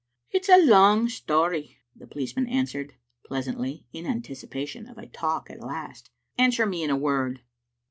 "It's a long story," the policeman answered, pleas antly, in anticipation of a talk at last. " Answer me in a Word.